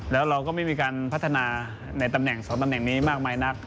แล้วเราก็ไม่มีการพัฒนาในตำแหน่ง๒ตำแหน่งนี้มากมายนัก